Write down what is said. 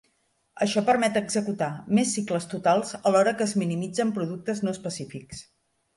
Això permet executar més cicles totals alhora que es minimitzen productes no específics.